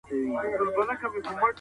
دغه وېره تر هلکانو په نجونو کې ډېره ده.